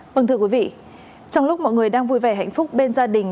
vâng thưa quý vị trong lúc mọi người đang vui vẻ hạnh phúc bên gia đình